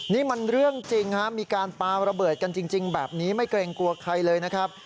นี่มันเรื่องจริงฮะมีการปลาระเบิดกันจริงแบบนี้ไม่เกรงกลัวใครเลยนะครับ